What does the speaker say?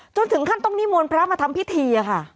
จนถึงขั้นต้องนิมนต์พระมาทำพิธีค่ะ